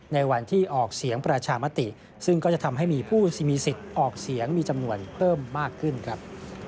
ในวันที่ออกเสียงประชามติซึ่งก็จะทำให้มีผู้ที่มีสิทธิ์ออกเสียงมีจำนวนเพิ่มมากขึ้นครับ